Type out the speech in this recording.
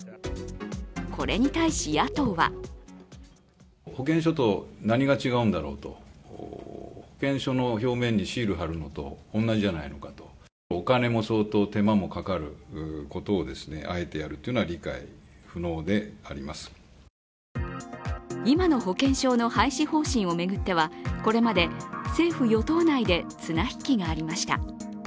これに対し、野党は今の保険証の廃止方針を巡っては、これまで政府・与党内で綱引きがありました。